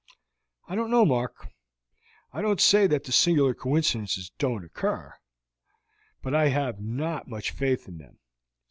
"I don't know, Mark; I don't say that singular coincidences don't occur, but I have not much faith in them.